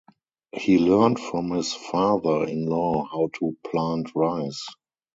He learned from his father-in-law how to plant rice.